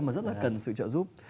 mà rất là cần sự trợ giúp